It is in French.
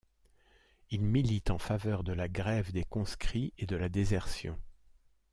Il milite en faveur de la grève des conscrits et de la désertion.